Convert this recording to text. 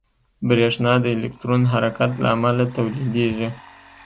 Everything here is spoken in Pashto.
برېښنا د الکترون حرکت له امله تولیدېږي.